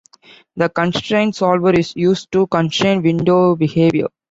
The constraint solver is used to constrain window behavior.